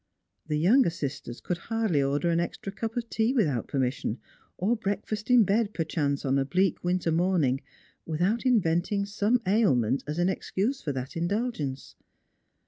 The younger sisters could hardly order an extra cup of tea without permission, or breakfast in bed per chance on a bleak winter mornincr without inventinof some ail ment as an excuse for that indulgence.